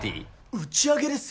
打ち上げですよ。